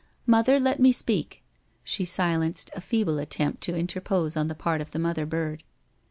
■* Mother, let me speak." She silenced a feeble at tempt to interpose on the part of the Mother bird.